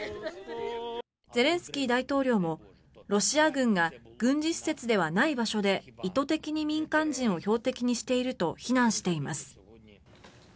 ゼレンスキー大統領もロシア軍が軍事施設ではない場所で意図的に民間人を標的にしていると非難しています。